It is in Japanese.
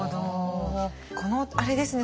このあれですね